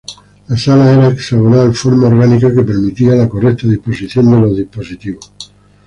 La sala era hexagonal, forma orgánica que permitía la correcta disposición de los dispositivos.